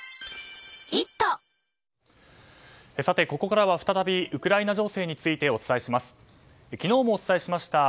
さて、ここからは再びウクライナ情勢についてお伝えします。